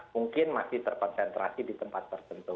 mungkin masih terkonsentrasi di tempat tertentu